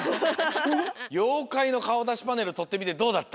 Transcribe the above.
ようかいのかおだしパネルとってみてどうだった？